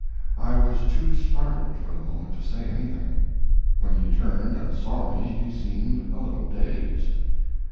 I was too startled, for the moment, to say anything. When he turned and saw me he seemed a little dazed.